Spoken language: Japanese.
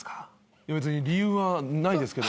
いや別に理由はないですけど。